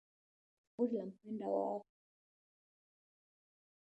familia haikuruhusiwa kuliona kaburi la mpwendwa wao